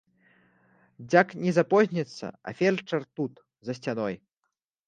Дзяк не запозніцца, а фельчар тут, за сцяной.